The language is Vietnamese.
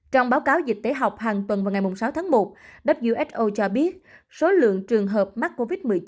trong báo cáo dịch tễ học hàng tuần vào ngày sáu tháng một who cho biết số lượng trường hợp mắc covid một mươi chín